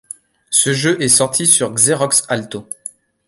Ce jeu est sorti sur Xerox Alto.